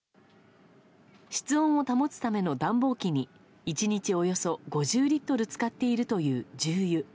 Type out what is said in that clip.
室温を保つための暖房機に、１日およそ５０リットル使っているという重油。